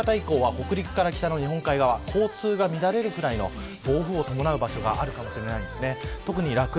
特に、今日の夕方以降は北陸から北の日本海側交通が乱れるくらいの暴風を伴う所があるかもしれません。